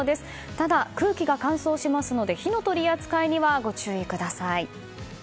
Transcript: ただ、空気が乾燥しますので火の取り扱いにはご注意ください。